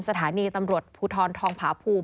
สถานีตำรวจภูทรทองผาภูมิ